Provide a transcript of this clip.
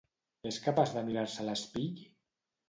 És capaç de mirar-se a l'espill?